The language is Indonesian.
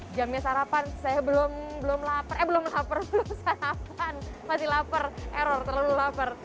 jamnya sarapan saya belum belum lapar belum lapar belom ke arab kan masih lapar error terlalu lapar